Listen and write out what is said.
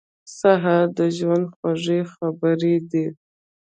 سهار د ژوند خوږې خبرې دي.